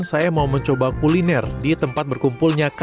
saya mau mencoba kuliner di tempat berkumpulnya